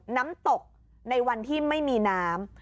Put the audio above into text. น้ำตกในวันที่ไม่มีน้ำ